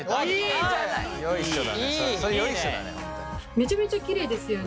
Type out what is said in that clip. めちゃめちゃきれいですよね。